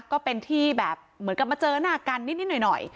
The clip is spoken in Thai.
ก็เป็นที่แบบเหมือนกับมาเจอหน้ากันนิดหน่อย